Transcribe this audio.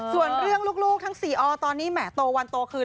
ส่วนเรื่องลูกทั้ง๔อตอนนี้แหมโตวันโตคืน